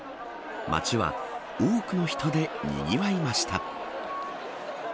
街は多くの人でにぎわいました。